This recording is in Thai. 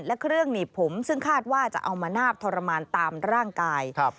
และเครื่องหนีบผมซึ่งคาดว่าจะเอามานาบทรมานตามร่างกาย